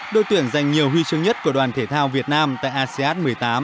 đội tuyển giành nhiều huy chương nhất của đoàn thể thao việt nam tại asean một mươi tám